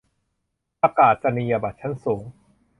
ประกาศนียบัตรชั้นสูง